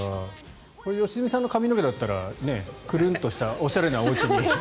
これ良純さんの髪の毛だったら来るんとしたおしゃれなおうちに。